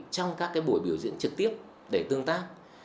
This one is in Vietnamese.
trong các buổi biểu diễn trực tiếp để tương tác